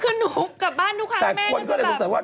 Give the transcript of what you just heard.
คือหนูกลับบ้านทุกครั้งแม่ก็จะแบบแต่คนก็จะรู้สึกว่า